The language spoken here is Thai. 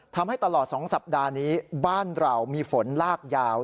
ทำให้ตลอด๒สัปดาห์นี้บ้านเรามีฝนลากยาว